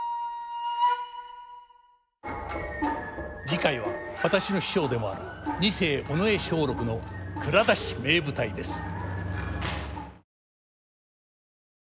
次回は私の師匠でもある二世尾上松緑の「蔵出し！名舞台」です。